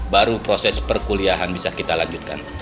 baru proses perkuliahan bisa kita lanjutkan